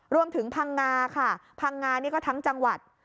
พังงาค่ะพังงานี่ก็ทั้งจังหวัด